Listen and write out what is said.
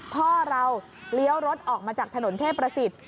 พ่อเราเลี้ยวรถออกมาจากถนนเทพภาษิต